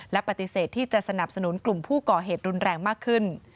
และปฏิเสธที่จะสนับสนุนกลุ่มผู้ก่อเหตุรุนแรงมากขึ้น